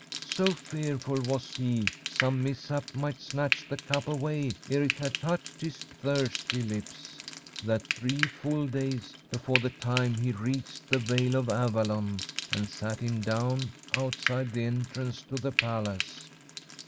So fearful was he some mishap might snatch the cup away ere it had touched his thirsty lips, that three full days before the time he reached the Vale of Avalon, and sat him down outside the entrance to the palace.